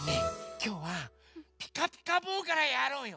きょうは「ピカピカブ！」からやろうよ。